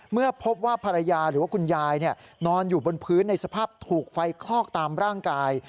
เมื่อพบว่าภรรยาหรือว่าคุณยายนอนอยู่บนพื้นในสภาพถูกไฟคลอกตามร่างกาย